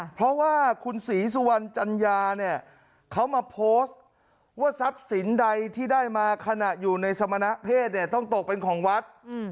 เพราะว่าคุณศรีสุวรรณจัญญาเนี่ยเขามาโพสต์ว่าทรัพย์สินใดที่ได้มาขณะอยู่ในสมณเพศเนี่ยต้องตกเป็นของวัด